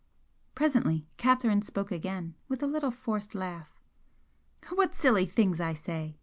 Presently Catherine spoke again, with a little forced laugh. "What silly things I say!"